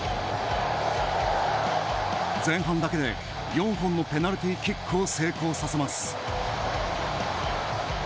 前半だけで４本のペナルティキックを成功させます。